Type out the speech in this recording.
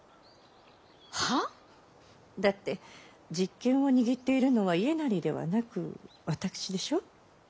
だって実権を握っているのは家斉ではなく私でしょう？